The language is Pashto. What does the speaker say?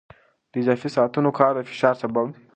د اضافي ساعتونو کار د فشار سبب دی.